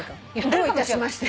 「どういたしまして」？